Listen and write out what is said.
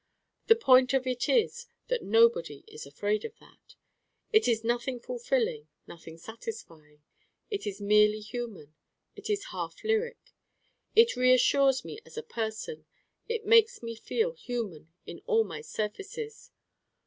The point of it is that nobody is afraid of that. It is nothing fulfilling, nothing satisfying. It is merely human. It is half lyric. It reassures me as a person: it makes me feel human in all my surfaces.